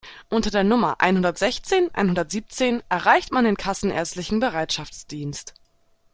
Unter der Nummer einhundertsechzehn einhundertsiebzehn erreicht man den kassenärztlichen Bereitschaftsdienst.